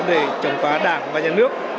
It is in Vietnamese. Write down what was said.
để trầm phá đảng và nhà nước